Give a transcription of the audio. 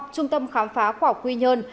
trung tâm khám phá khỏa quy nhơn